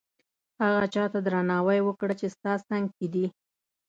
هغه چاته درناوی وکړه چې ستا څنګ کې دي.